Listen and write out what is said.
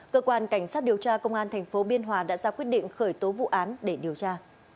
cơ quan cảnh sát điều tra công an tp biên hòa đã ra quyết định khởi tố vụ án để điều tra